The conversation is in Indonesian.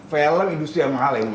vellang industri yang mahal ya ibu ya